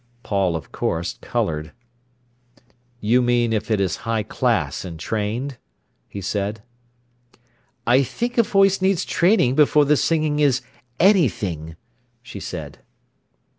Paul, of course, coloured. "You mean if it is high class and trained?" he said. "I think a voice needs training before the singing is anything," she said.